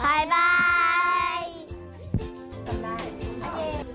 บ๊ายบาย